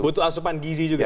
butuh asupan gizi juga